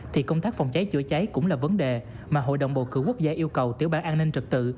thì công tác phòng cháy chữa cháy cũng là vấn đề mà hội đồng bầu cử quốc gia yêu cầu tiểu ban an ninh trật tự